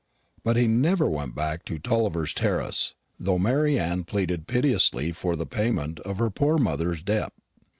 But he never went back to Tulliver's terrace, though Mary Anne pleaded piteously for the payment of her poor mother's debt.